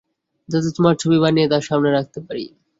যাতে তোমার ছবি বানিয়ে, তার সামনে রাখতে পারি।